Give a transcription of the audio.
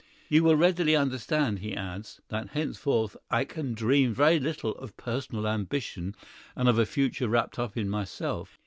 You readily will understand," he adds, "that henceforth I can dream very little of personal ambition and of a future wrapped up in myself.